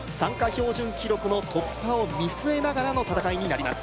標準記録の突破を見据えながらの戦いになります